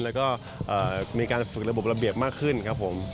แล้วก็มีการฝึกระบบระเบียบมากขึ้นครับผม